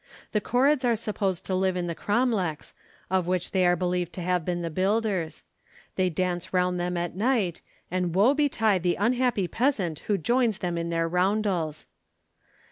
The korreds are supposed to live in the cromlechs, of which they are believed to have been the builders. They dance around them at night, and woe betide the unhappy peasant who joins them in their roundels.